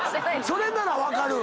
それなら分かる。